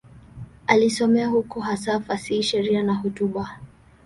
Alisomea huko, hasa fasihi, sheria na hotuba.